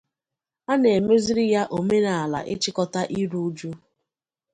a na-emezịrị ya omenala ịchịkọta iru uju